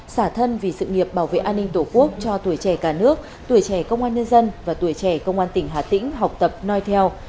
xả thân vì sự nghiệp bảo vệ an ninh tổ quốc cho tuổi trẻ cả nước tuổi trẻ công an nhân dân và tuổi trẻ công an tỉnh hà tĩnh học tập noi theo